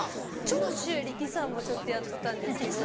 長州力さんもちょっとやったんですけど。